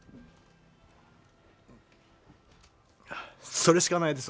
それしかないです。